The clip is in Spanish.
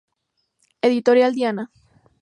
Editorial Diana.